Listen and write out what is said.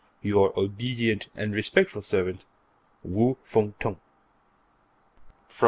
Your obedient and respectful servant, Wu Fung Tung _From N.